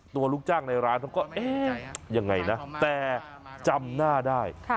ลูกจ้างในร้านเขาก็เอ๊ะยังไงนะแต่จำหน้าได้